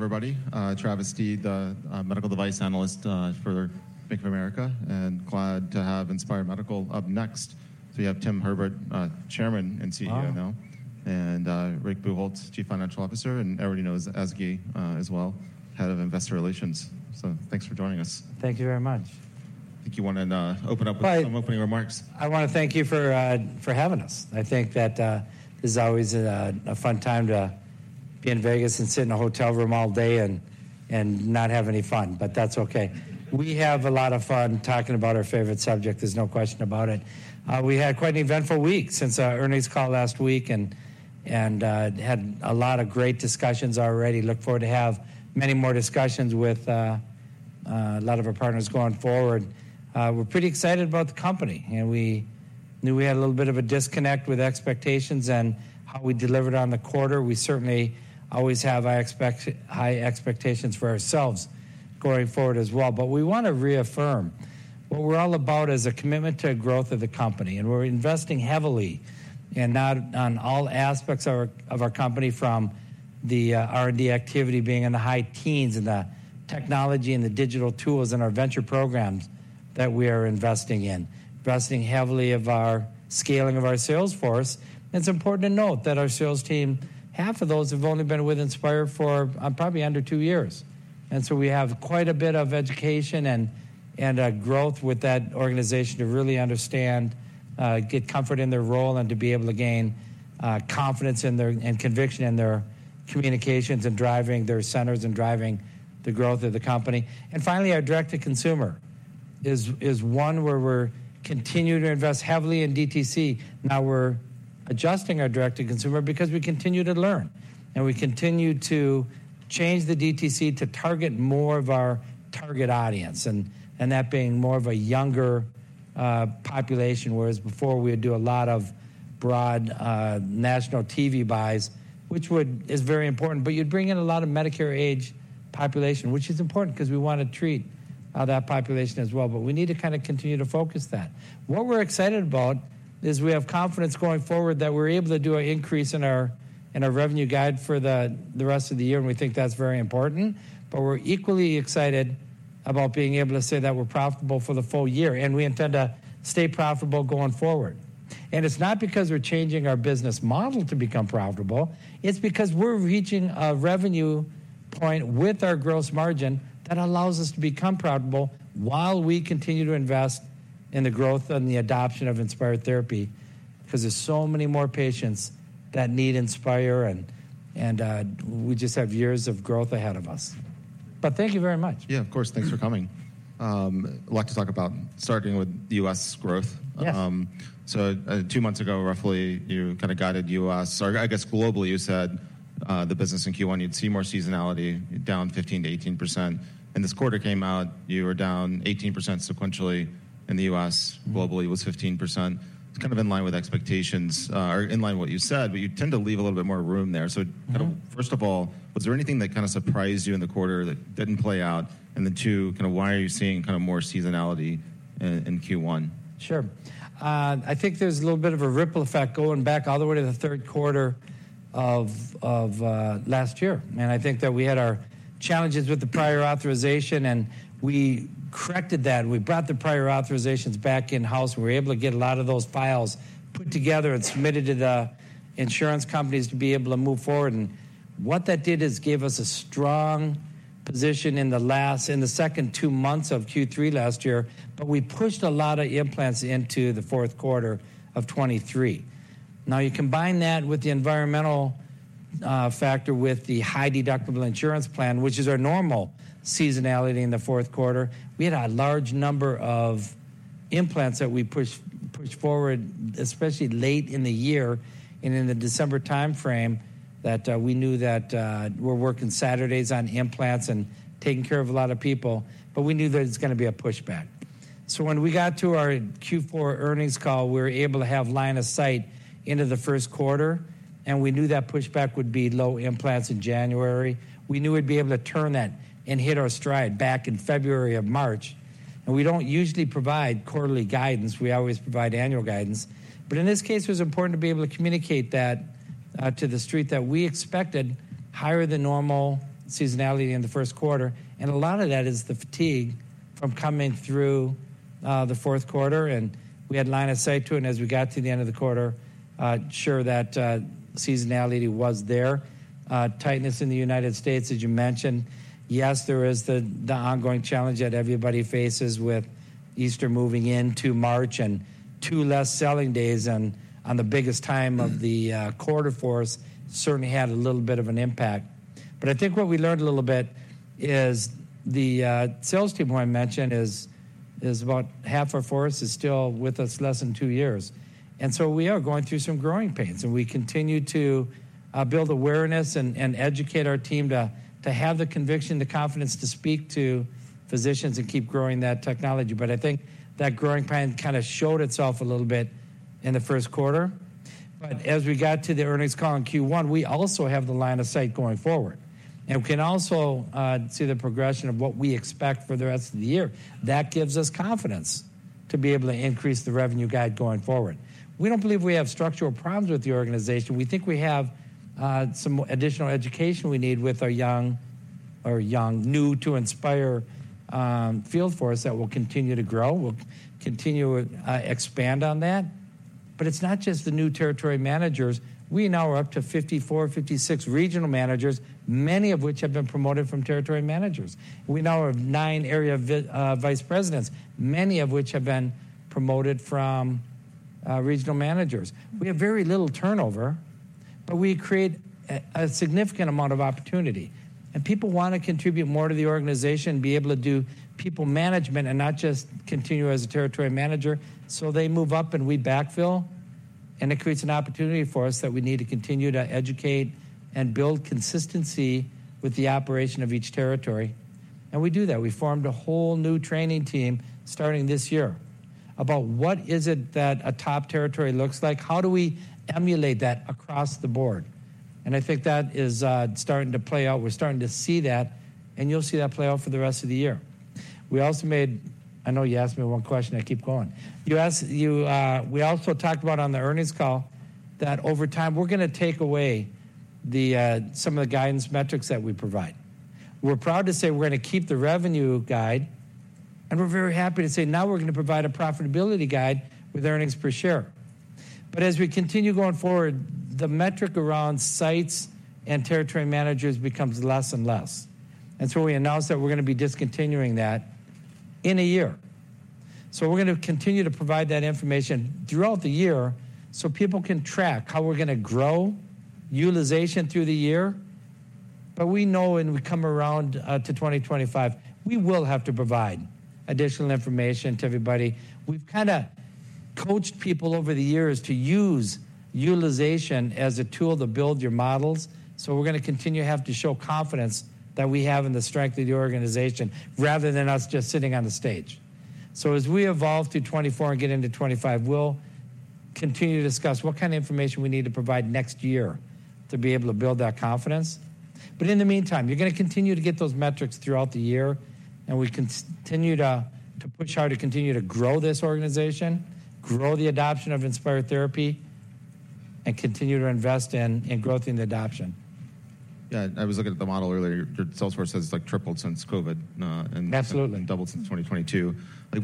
Everybody, Travis Steed, the medical device analyst for Bank of America, and glad to have Inspire Medical up next. So we have Tim Herbert, Chairman and CEO now, and Rick Buchholz, Chief Financial Officer, and everybody knows Ezgi as well, Head of Investor Relations. So thanks for joining us. Thank you very much. I think you want to open up with some opening remarks. I want to thank you for having us. I think that this is always a fun time to be in Vegas and sit in a hotel room all day and not have any fun, but that's okay. We have a lot of fun talking about our favorite subject, there's no question about it. We had quite an eventful week since our earnings call last week and had a lot of great discussions already. Look forward to having many more discussions with a lot of our partners going forward. We're pretty excited about the company, and we knew we had a little bit of a disconnect with expectations and how we delivered on the quarter. We certainly always have high expectations for ourselves going forward as well, but we want to reaffirm what we're all about as a commitment to growth of the company, and we're investing heavily and not on all aspects of our company from the R&D activity being in the high teens and the technology and the digital tools in our venture programs that we are investing in. Investing heavily in our scaling of our sales force. It's important to note that our sales team, half of those have only been with Inspire for probably under two years. And so we have quite a bit of education and growth with that organization to really understand, get comfort in their role, and to be able to gain confidence and conviction in their communications and driving their centers and driving the growth of the company. Finally, our direct-to-consumer is one where we're continuing to invest heavily in DTC. Now we're adjusting our direct-to-consumer because we continue to learn and we continue to change the DTC to target more of our target audience, and that being more of a younger population, whereas before we would do a lot of broad national TV buys, which is very important, but you'd bring in a lot of Medicare-age population, which is important because we want to treat that population as well, but we need to kind of continue to focus that. What we're excited about is we have confidence going forward that we're able to do an increase in our revenue guide for the rest of the year, and we think that's very important, but we're equally excited about being able to say that we're profitable for the full year, and we intend to stay profitable going forward. It's not because we're changing our business model to become profitable. It's because we're reaching a revenue point with our gross margin that allows us to become profitable while we continue to invest in the growth and the adoption of Inspire Therapy because there's so many more patients that need Inspire, and we just have years of growth ahead of us. Thank you very much. Yeah, of course. Thanks for coming. I'd like to talk about starting with the U.S. growth. So two months ago, roughly, you kind of guided U.S., or I guess globally, you said the business in Q1 you'd see more seasonality, down 15%-18%. In this quarter came out, you were down 18% sequentially. In the U.S., globally, it was 15%. It's kind of in line with expectations or in line with what you said, but you tend to leave a little bit more room there. So first of all, was there anything that kind of surprised you in the quarter that didn't play out? And then two, kind of why are you seeing kind of more seasonality in Q1? Sure. I think there's a little bit of a ripple effect going back all the way to the third quarter of last year. I think that we had our challenges with the prior authorization, and we corrected that. We brought the prior authorizations back in-house. We were able to get a lot of those files put together and submitted to the insurance companies to be able to move forward. And what that did is gave us a strong position in the last in the second two months of Q3 last year, but we pushed a lot of implants into the fourth quarter of 2023. Now you combine that with the environmental factor with the high deductible insurance plan, which is our normal seasonality in the fourth quarter. We had a large number of implants that we pushed forward, especially late in the year and in the December time frame, that we knew that we're working Saturdays on implants and taking care of a lot of people, but we knew that it's going to be a pushback. So when we got to our Q4 earnings call, we were able to have line of sight into the first quarter, and we knew that pushback would be low implants in January. We knew we'd be able to turn that and hit our stride back in February or March. We don't usually provide quarterly guidance. We always provide annual guidance. But in this case, it was important to be able to communicate that to the street that we expected higher than normal seasonality in the first quarter. A lot of that is the fatigue from coming through the fourth quarter, and we had line of sight to it. As we got to the end of the quarter, sure that seasonality was there. Tightness in the United States, as you mentioned. Yes, there is the ongoing challenge that everybody faces with Easter moving into March and two less selling days on the biggest time of the quarter for us certainly had a little bit of an impact. But I think what we learned a little bit is the sales team who I mentioned is about half our force is still with us less than two years. And so we are going through some growing pains, and we continue to build awareness and educate our team to have the conviction, the confidence to speak to physicians and keep growing that technology. But I think that growing pain kind of showed itself a little bit in the first quarter. As we got to the earnings call in Q1, we also have the line of sight going forward. We can also see the progression of what we expect for the rest of the year. That gives us confidence to be able to increase the revenue guide going forward. We don't believe we have structural problems with the organization. We think we have some additional education we need with our young or young new to Inspire field for us that will continue to grow. We'll continue to expand on that. It's not just the new territory managers. We now are up to 54-56 regional managers, many of which have been promoted from territory managers. We now have nine area vice presidents, many of which have been promoted from regional managers. We have very little turnover, but we create a significant amount of opportunity. People want to contribute more to the organization and be able to do people management and not just continue as a territory manager. So they move up and we backfill, and it creates an opportunity for us that we need to continue to educate and build consistency with the operation of each territory. We do that. We formed a whole new training team starting this year about what is it that a top territory looks like. How do we emulate that across the board? I think that is starting to play out. We're starting to see that, and you'll see that play out for the rest of the year. I know you asked me one question. I keep going. We also talked about on the earnings call that over time we're going to take away some of the guidance metrics that we provide. We're proud to say we're going to keep the revenue guide, and we're very happy to say now we're going to provide a profitability guide with earnings per share. As we continue going forward, the metric around sites and territory managers becomes less and less. So we announced that we're going to be discontinuing that in a year. We're going to continue to provide that information throughout the year so people can track how we're going to grow utilization through the year. We know when we come around to 2025, we will have to provide additional information to everybody. We've kind of coached people over the years to use utilization as a tool to build your models. So we're going to continue to have to show confidence that we have in the strength of the organization rather than us just sitting on the stage. So as we evolve to 2024 and get into 2025, we'll continue to discuss what kind of information we need to provide next year to be able to build that confidence. But in the meantime, you're going to continue to get those metrics throughout the year, and we continue to push hard to continue to grow this organization, grow the adoption of Inspire Therapy, and continue to invest in growth in the adoption. Yeah, I was looking at the model earlier. Your sales force has tripled since COVID and doubled since 2022.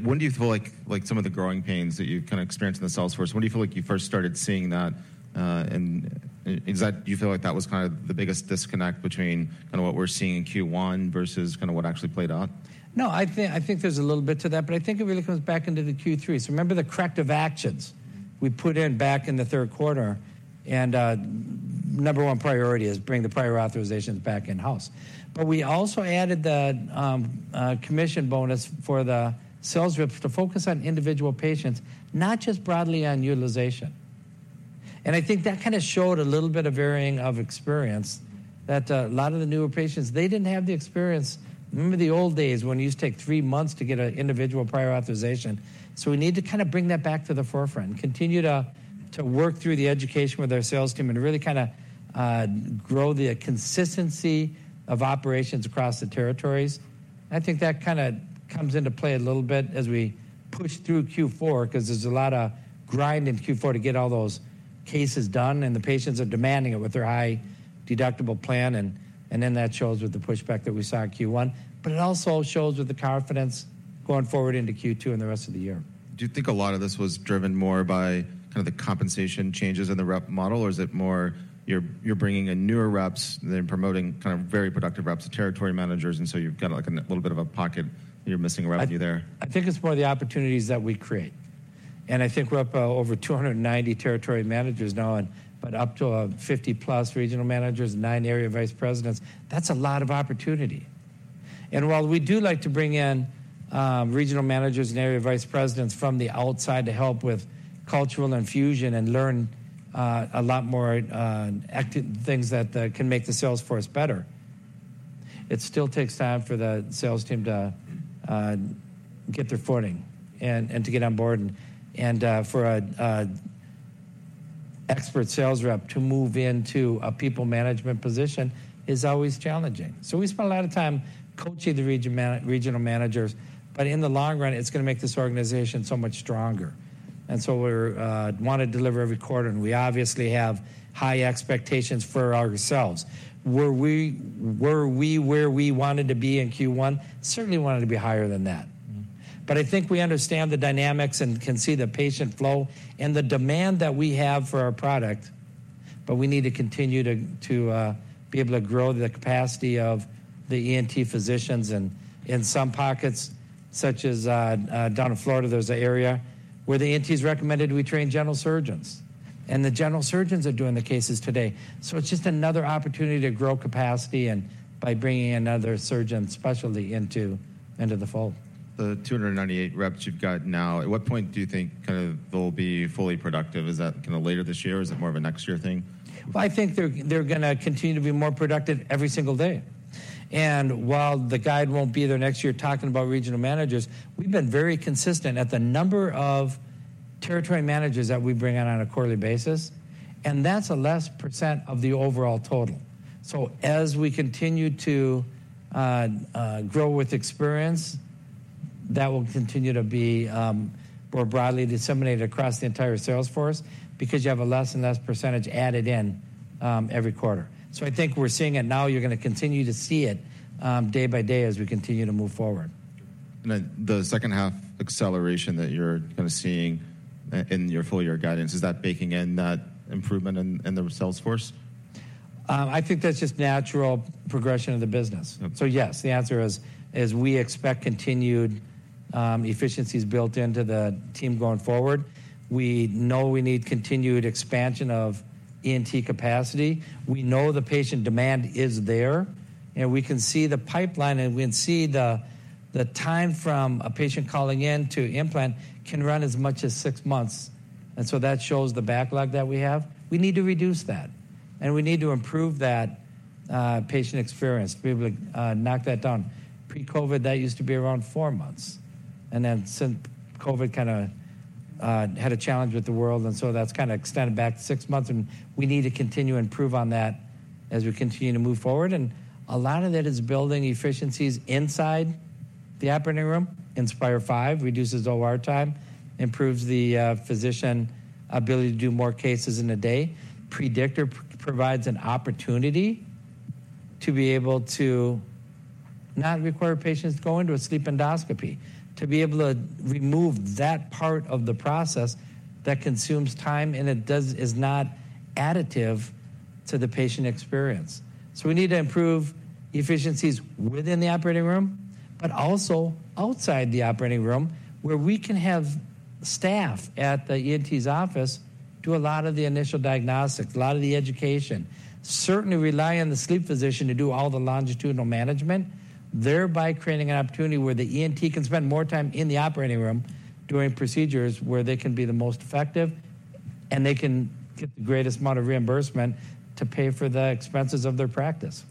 When do you feel like some of the growing pains that you kind of experienced in the sales force, when do you feel like you first started seeing that? And do you feel like that was kind of the biggest disconnect between kind of what we're seeing in Q1 versus kind of what actually played out? No, I think there's a little bit to that, but I think it really comes back to the Q3. So remember the corrective actions we put in back in the third quarter, and number one priority is bring the prior authorizations back in-house. But we also added the commission bonus for the sales reps to focus on individual patients, not just broadly on utilization. And I think that kind of showed a little bit of varying of experience that a lot of the newer patients, they didn't have the experience. Remember the old days when you used to take three months to get an individual prior authorization? So we need to kind of bring that back to the forefront and continue to work through the education with our sales team and really kind of grow the consistency of operations across the territories. I think that kind of comes into play a little bit as we push through Q4 because there's a lot of grind in Q4 to get all those cases done, and the patients are demanding it with their high deductible plan, and then that shows with the pushback that we saw in Q1. But it also shows with the confidence going forward into Q2 and the rest of the year. Do you think a lot of this was driven more by kind of the compensation changes in the rep model, or is it more you're bringing in newer reps and promoting kind of very productive reps to territory managers, and so you've got like a little bit of a pocket and you're missing revenue there? I think it's more the opportunities that we create. I think we're up over 290 territory managers now, but up to 50+ regional managers, nine area vice presidents. That's a lot of opportunity. While we do like to bring in regional managers and area vice presidents from the outside to help with cultural infusion and learn a lot more things that can make the sales force better, it still takes time for the sales team to get their footing and to get on board. For an expert sales rep to move into a people management position is always challenging. We spend a lot of time coaching the regional managers, but in the long run, it's going to make this organization so much stronger. So we want to deliver every quarter, and we obviously have high expectations for ourselves. Were we where we wanted to be in Q1? Certainly wanted to be higher than that. But I think we understand the dynamics and can see the patient flow and the demand that we have for our product, but we need to continue to be able to grow the capacity of the ENT physicians. And in some pockets, such as down in Florida, there's an area where the ENTs recommended we train general surgeons, and the general surgeons are doing the cases today. So it's just another opportunity to grow capacity by bringing in other surgeon specialty into the fold. The 298 reps you've got now, at what point do you think kind of they'll be fully productive? Is that kind of later this year, or is it more of a next year thing? Well, I think they're going to continue to be more productive every single day. While the guide won't be there next year talking about regional managers, we've been very consistent at the number of territory managers that we bring on a quarterly basis, and that's a less percent of the overall total. So as we continue to grow with experience, that will continue to be more broadly disseminated across the entire sales force because you have a less and less percentage added in every quarter. So I think we're seeing it now. You're going to continue to see it day by day as we continue to move forward. The second half acceleration that you're kind of seeing in your full year guidance, is that baking in that improvement in the sales force? I think that's just natural progression of the business. So yes, the answer is we expect continued efficiencies built into the team going forward. We know we need continued expansion of ENT capacity. We know the patient demand is there, and we can see the pipeline, and we can see the time from a patient calling in to implant can run as much as six months. And so that shows the backlog that we have. We need to reduce that, and we need to improve that patient experience, be able to knock that down. Pre-COVID, that used to be around four months. And then since COVID kind of had a challenge with the world, and so that's kind of extended back to six months. And we need to continue to improve on that as we continue to move forward. A lot of that is building efficiencies inside the operating room. Inspire V reduces OR time, improves the physician ability to do more cases in a day. Predictor provides an opportunity to be able to not require patients to go into a sleep endoscopy, to be able to remove that part of the process that consumes time, and it is not additive to the patient experience. We need to improve efficiencies within the operating room, but also outside the operating room where we can have staff at the ENT's office do a lot of the initial diagnostics, a lot of the education, certainly rely on the sleep physician to do all the longitudinal management, thereby creating an opportunity where the ENT can spend more time in the operating room doing procedures where they can be the most effective, and they can get the greatest amount of reimbursement to pay for the expenses of their practice.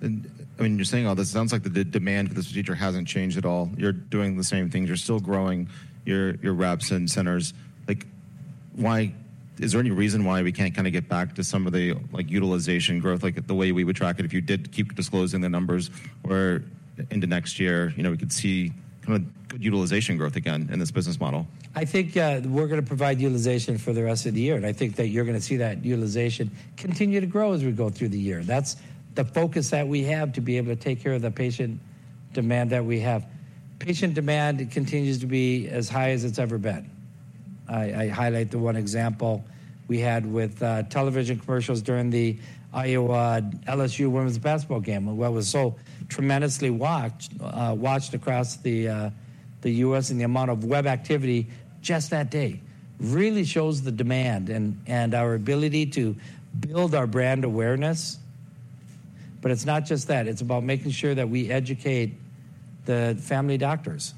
And I mean, you're saying all this, it sounds like the demand for this procedure hasn't changed at all. You're doing the same things. You're still growing your reps and centers. Is there any reason why we can't kind of get back to some of the utilization growth, like the way we would track it if you did keep disclosing the numbers where into next year we could see kind of good utilization growth again in this business model? I think we're going to provide utilization for the rest of the year, and I think that you're going to see that utilization continue to grow as we go through the year. That's the focus that we have to be able to take care of the patient demand that we have. Patient demand continues to be as high as it's ever been. I highlight the one example we had with television commercials during the Iowa-LSU women's basketball game, where it was so tremendously watched across the U.S. and the amount of web activity just that day really shows the demand and our ability to build our brand awareness. But it's not just that. It's about making sure that we educate the family doctors.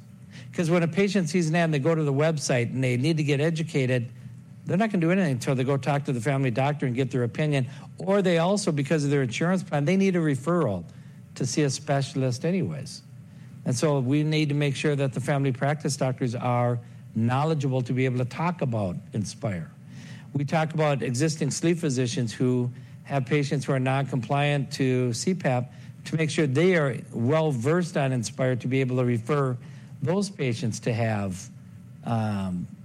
Because when a patient sees an ad and they go to the website and they need to get educated, they're not going to do anything until they go talk to the family doctor and get their opinion. Or they also, because of their insurance plan, they need a referral to see a specialist anyways. And so we need to make sure that the family practice doctors are knowledgeable to be able to talk about Inspire. We talk about existing sleep physicians who have patients who are noncompliant to CPAP to make sure they are well-versed on Inspire to be able to refer those patients to have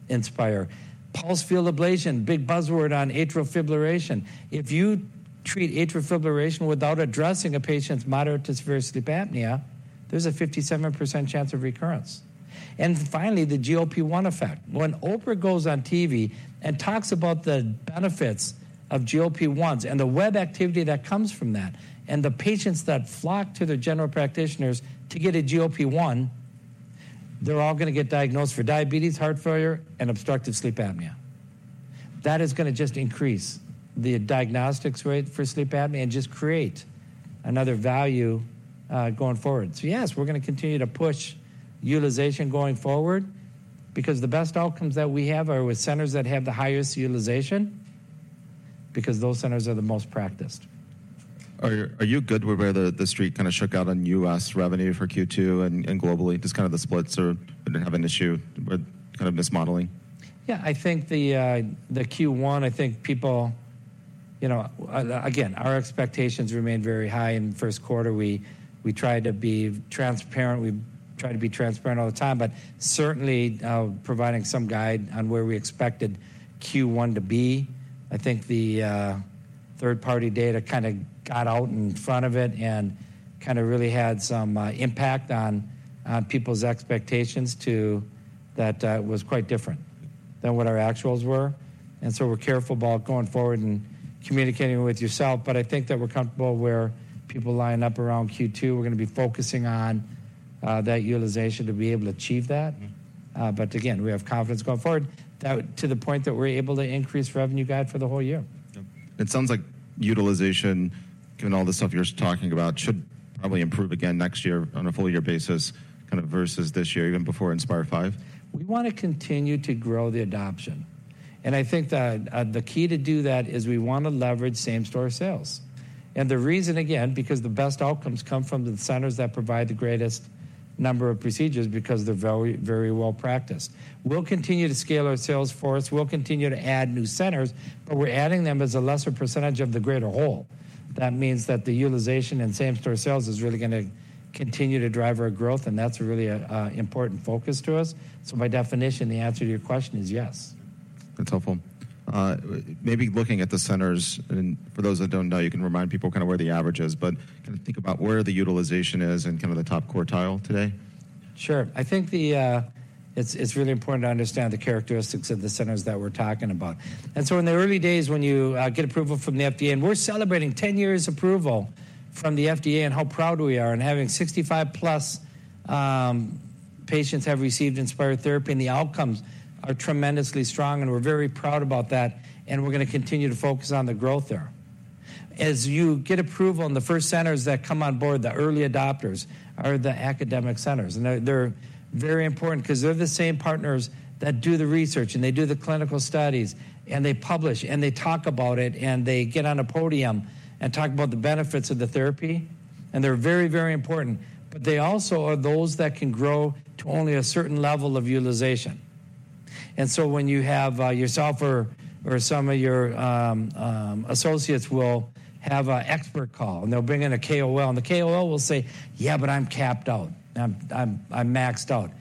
Inspire. Pulsed field ablation, big buzzword on atrial fibrillation. If you treat atrial fibrillation without addressing a patient's moderate to severe sleep apnea, there's a 57% chance of recurrence. And finally, the GLP-1 effect. When Oprah goes on TV and talks about the benefits of GLP-1s and the web activity that comes from that and the patients that flock to their general practitioners to get a GLP-1, they're all going to get diagnosed for diabetes, heart failure, and obstructive sleep apnea. That is going to just increase the diagnostics rate for sleep apnea and just create another value going forward. So yes, we're going to continue to push utilization going forward because the best outcomes that we have are with centers that have the highest utilization because those centers are the most practiced. Are you good with where the street kind of shook out on U.S. revenue for Q2 and globally? Just kind of the splits or didn't have an issue with kind of mismodeling? Yeah, I think the Q1. I think people again, our expectations remain very high in the first quarter. We try to be transparent. We try to be transparent all the time, but certainly providing some guide on where we expected Q1 to be. I think the third-party data kind of got out in front of it and kind of really had some impact on people's expectations that was quite different than what our actuals were. And so we're careful about going forward and communicating with yourself. But I think that we're comfortable where people line up around Q2. We're going to be focusing on that utilization to be able to achieve that. But again, we have confidence going forward to the point that we're able to increase revenue guide for the whole year. It sounds like utilization, given all the stuff you're talking about, should probably improve again next year on a full year basis kind of versus this year, even before Inspire V. We want to continue to grow the adoption. I think the key to do that is we want to leverage same-store sales. The reason, again, because the best outcomes come from the centers that provide the greatest number of procedures because they're very, very well practiced. We'll continue to scale our sales force. We'll continue to add new centers, but we're adding them as a lesser percentage of the greater whole. That means that the utilization and same-store sales is really going to continue to drive our growth, and that's really an important focus to us. By definition, the answer to your question is yes. That's helpful. Maybe looking at the centers, and for those that don't know, you can remind people kind of where the average is, but kind of think about where the utilization is and kind of the top quartile today. Sure. I think it's really important to understand the characteristics of the centers that we're talking about. And so in the early days, when you get approval from the FDA, and we're celebrating 10 years approval from the FDA and how proud we are and having 65+ patients have received Inspire Therapy, and the outcomes are tremendously strong, and we're very proud about that, and we're going to continue to focus on the growth there. As you get approval in the first centers that come on board, the early adopters are the academic centers. And they're very important because they're the same partners that do the research, and they do the clinical studies, and they publish, and they talk about it, and they get on a podium and talk about the benefits of the therapy. They're very, very important, but they also are those that can grow to only a certain level of utilization. So when you have yourself or some of your associates will have an expert call, and they'll bring in a KOL, and the KOL will say, "Yeah, but I'm capped out. I'm maxed out."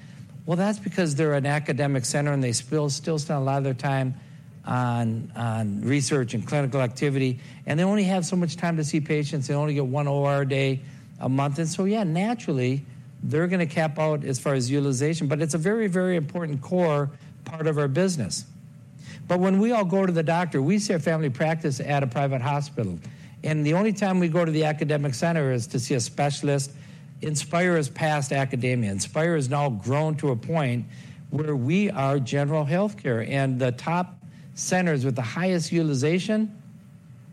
Well, that's because they're an academic center, and they still spend a lot of their time on research and clinical activity, and they only have so much time to see patients. They only get one OR day a month. So yeah, naturally, they're going to cap out as far as utilization, but it's a very, very important core part of our business. But when we all go to the doctor, we see our family practice at a private hospital. The only time we go to the academic center is to see a specialist. Inspire has passed academia. Inspire has now grown to a point where we are general healthcare, and the top centers with the highest utilization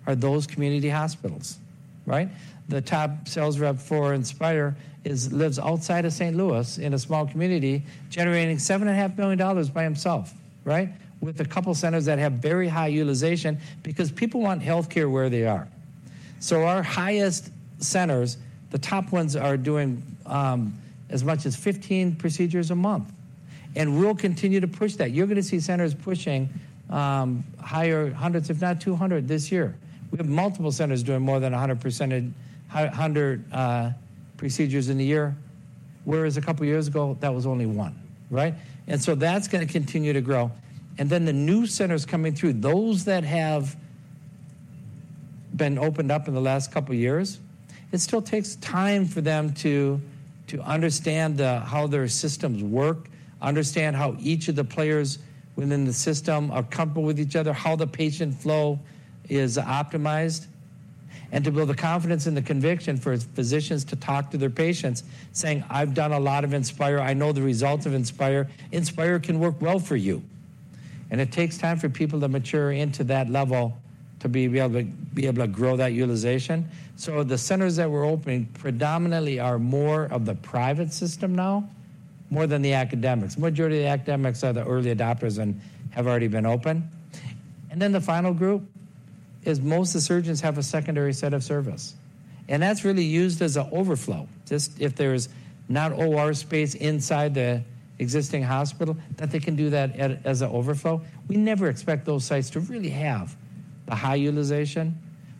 are those community hospitals, right? The top sales rep for Inspire lives outside of St. Louis in a small community, generating $7.5 million by himself, right, with a couple of centers that have very high utilization because people want healthcare where they are. Our highest centers, the top ones, are doing as much as 15 procedures a month. We'll continue to push that. You're going to see centers pushing higher hundreds, if not 200, this year. We have multiple centers doing more than 100 procedures in the year, whereas a couple of years ago, that was only one, right? That's going to continue to grow. And then the new centers coming through, those that have been opened up in the last couple of years, it still takes time for them to understand how their systems work, understand how each of the players within the system are comfortable with each other, how the patient flow is optimized, and to build the confidence and the conviction for physicians to talk to their patients saying, "I've done a lot of Inspire. I know the results of Inspire. Inspire can work well for you." And it takes time for people to mature into that level to be able to grow that utilization. So the centers that we're opening predominantly are more of the private system now more than the academics. The majority of the academics are the early adopters and have already been open. Then the final group is most of the surgeons have a secondary set of service. That's really used as an overflow. Just if there's not OR space inside the existing hospital, that they can do that as an overflow. We never expect those sites to really have the high utilization,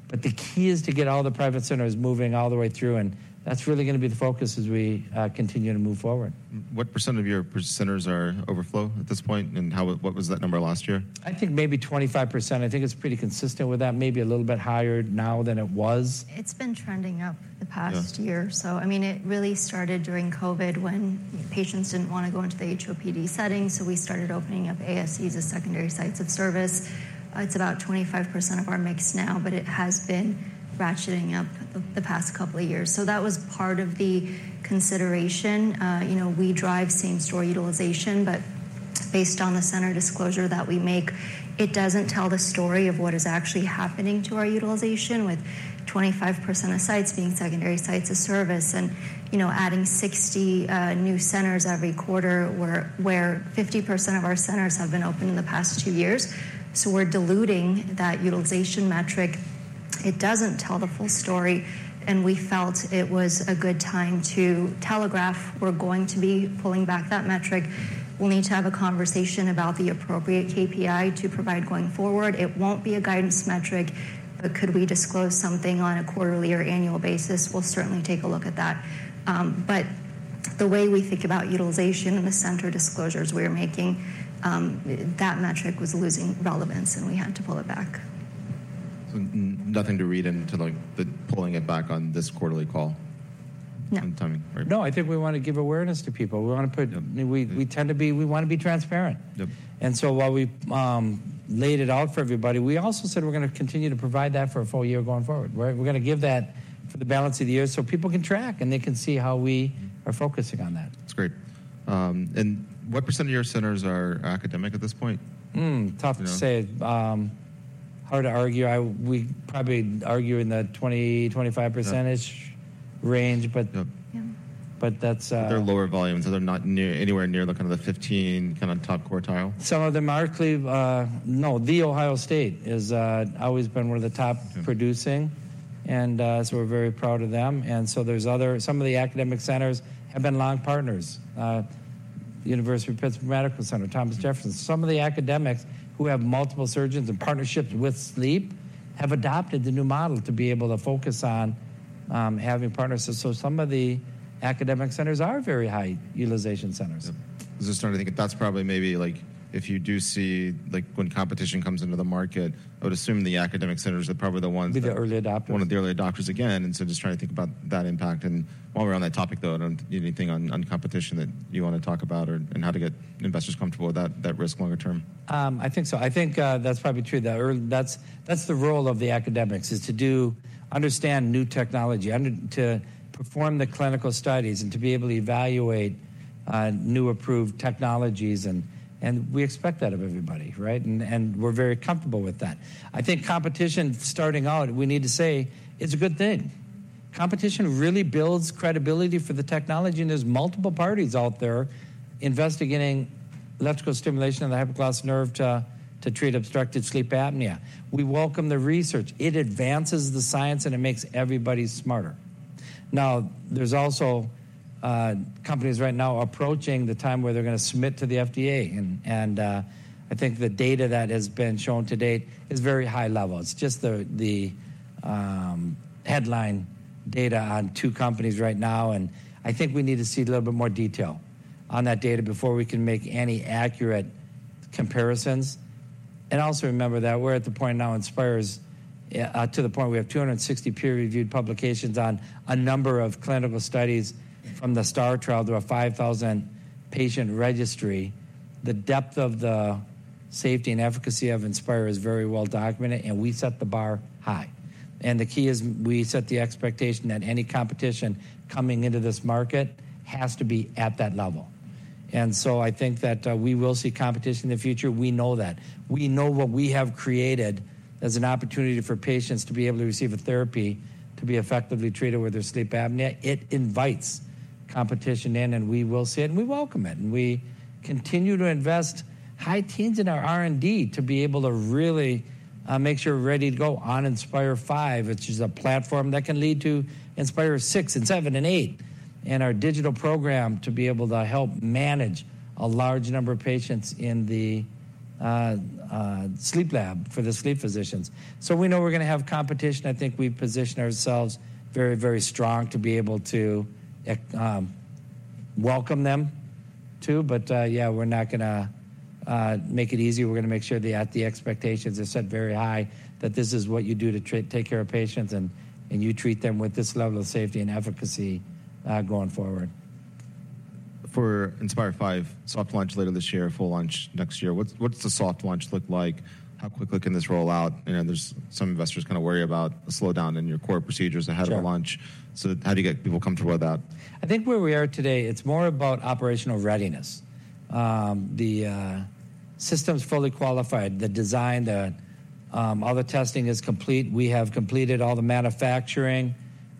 but the key is to get all the private centers moving all the way through. That's really going to be the focus as we continue to move forward. What percent of your centers are overflow at this point, and what was that number last year? I think maybe 25%. I think it's pretty consistent with that, maybe a little bit higher now than it was. It's been trending up the past year. So I mean, it really started during COVID when patients didn't want to go into the HOPD setting. So we started opening up ASCs as secondary sites of service. It's about 25% of our mix now, but it has been ratcheting up the past couple of years. So that was part of the consideration. We drive same-store utilization, but based on the center disclosure that we make, it doesn't tell the story of what is actually happening to our utilization with 25% of sites being secondary sites of service and adding 60 new centers every quarter where 50% of our centers have been opened in the past two years. So we're diluting that utilization metric. It doesn't tell the full story, and we felt it was a good time to telegraph we're going to be pulling back that metric. We'll need to have a conversation about the appropriate KPI to provide going forward. It won't be a guidance metric, but could we disclose something on a quarterly or annual basis? We'll certainly take a look at that. But the way we think about utilization and the center disclosures we are making, that metric was losing relevance, and we had to pull it back. Nothing to read into pulling it back on this quarterly call and timing? No. No, I think we want to give awareness to people. We want to put, I mean, we tend to be, we want to be transparent. And so while we laid it out for everybody, we also said we're going to continue to provide that for a full year going forward, right? We're going to give that for the balance of the year so people can track, and they can see how we are focusing on that. That's great. What percent of your centers are academic at this point? Tough to say. Hard to argue. We probably argue in the 20%-25% range, but that's. They're lower volume. So they're not anywhere near kind of the 15% kind of top quartile? Some of them. No, The Ohio State has always been one of the top producing, and so we're very proud of them. And so there's other some of the academic centers have been long partners: University of Pittsburgh Medical Center, Thomas Jefferson. Some of the academics who have multiple surgeons and partnerships with sleep have adopted the new model to be able to focus on having partners. So some of the academic centers are very high utilization centers. I was just trying to think if that's probably maybe if you do see when competition comes into the market, I would assume the academic centers are probably the ones that. Be the early adopters. One of the early adopters again. And so just trying to think about that impact. And while we're on that topic, though, I don't need anything on competition that you want to talk about or how to get investors comfortable with that risk longer term. I think so. I think that's probably true, that that's the role of the academics, is to understand new technology, to perform the clinical studies, and to be able to evaluate new approved technologies. We expect that of everybody, right? We're very comfortable with that. I think competition starting out, we need to say it's a good thing. Competition really builds credibility for the technology. There's multiple parties out there investigating electrical stimulation of the hypoglossal nerve to treat obstructive sleep apnea. We welcome the research. It advances the science, and it makes everybody smarter. Now, there's also companies right now approaching the time where they're going to submit to the FDA. I think the data that has been shown to date is very high level. It's just the headline data on two companies right now. I think we need to see a little bit more detail on that data before we can make any accurate comparisons. Also remember that we're at the point now. Inspire is to the point we have 260 peer-reviewed publications on a number of clinical studies from the STAR Trial. There are 5,000-patient registry. The depth of the safety and efficacy of Inspire is very well documented, and we set the bar high. The key is we set the expectation that any competition coming into this market has to be at that level. So I think that we will see competition in the future. We know that. We know what we have created as an opportunity for patients to be able to receive a therapy to be effectively treated with their sleep apnea. It invites competition in, and we will see it, and we welcome it. We continue to invest high teens in our R&D to be able to really make sure we're ready to go on Inspire V, which is a platform that can lead to Inspire VI and Inspire VII and Inspire VIII, and our digital program to be able to help manage a large number of patients in the sleep lab for the sleep physicians. We know we're going to have competition. I think we've positioned ourselves very, very strong to be able to welcome them too. Yeah, we're not going to make it easy. We're going to make sure that the expectations are set very high, that this is what you do to take care of patients, and you treat them with this level of safety and efficacy going forward. For Inspire V, soft launch later this year, full launch next year. What's the soft launch look like? How quickly can this roll out? There's some investors kind of worry about a slowdown in your core procedures ahead of the launch. So how do you get people comfortable with that? I think where we are today, it's more about operational readiness. The system's fully qualified. The design, all the testing is complete. We have completed all the manufacturing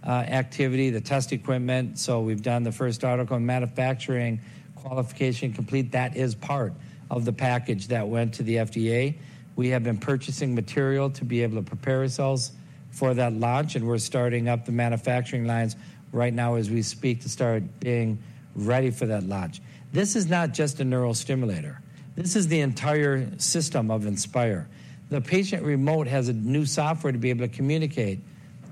activity, the test equipment. So we've done the first article on manufacturing qualification complete. That is part of the package that went to the FDA. We have been purchasing material to be able to prepare ourselves for that launch, and we're starting up the manufacturing lines right now as we speak to start being ready for that launch. This is not just a neurostimulator. This is the entire system of Inspire. The patient remote has a new software to be able to communicate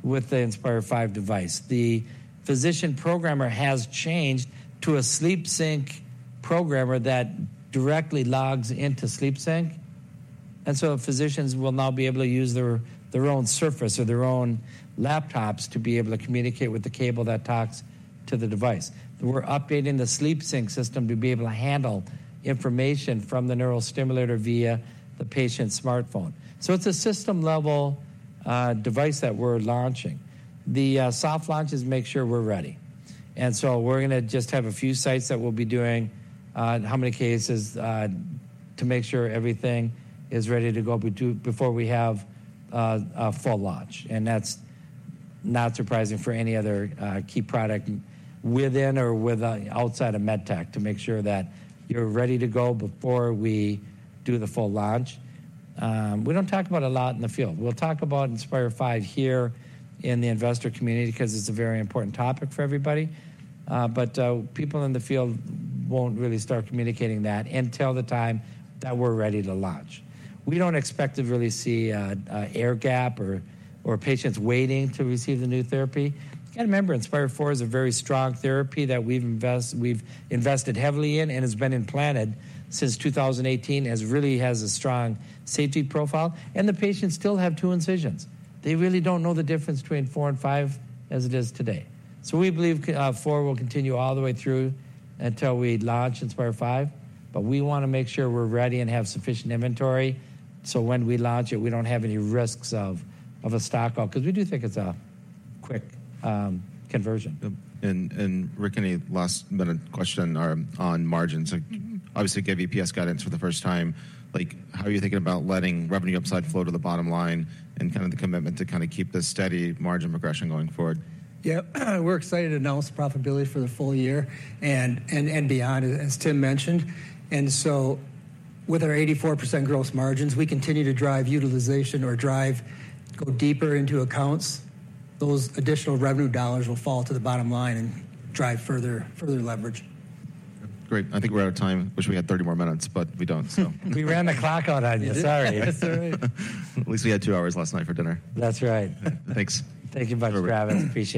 with the Inspire V device. The physician programmer has changed to a SleepSync programmer that directly logs into SleepSync. And so physicians will now be able to use their own Surface or their own laptops to be able to communicate with the cable that talks to the device. We're updating the SleepSync system to be able to handle information from the neurostimulator via the patient's smartphone. So it's a system-level device that we're launching. The soft launch is to make sure we're ready. And so we're going to just have a few sites that we'll be doing how many cases to make sure everything is ready to go before we have a full launch. And that's not surprising for any other key product within or outside of MedTech to make sure that you're ready to go before we do the full launch. We don't talk about it a lot in the field. We'll talk about Inspire V here in the investor community because it's a very important topic for everybody. But people in the field won't really start communicating that until the time that we're ready to launch. We don't expect to really see an air gap or patients waiting to receive the new therapy. Got to remember, Inspire IV is a very strong therapy that we've invested heavily in and has been implanted since 2018, has really a strong safety profile. And the patients still have two incisions. They really don't know the difference between Inspire IV and Inspire V as it is today. So we believe Inspire IV will continue all the way through until we launch Inspire V. But we want to make sure we're ready and have sufficient inventory so when we launch it, we don't have any risks of a stock out because we do think it's a quick conversion. Rick, any last-minute question on margins? Obviously, gave EPS guidance for the first time. How are you thinking about letting revenue upside flow to the bottom line and kind of the commitment to kind of keep this steady margin progression going forward? Yeah. We're excited to announce profitability for the full year and beyond, as Tim mentioned. So with our 84% gross margins, we continue to drive utilization or go deeper into accounts. Those additional revenue dollars will fall to the bottom line and drive further leverage. Great. I think we're out of time. I wish we had 30 more minutes, but we don't, so. We ran the clock on that. Sorry. That's all right. At least we had two hours last night for dinner. That's right. Thanks. Thank you very much, Travis. Appreciate it.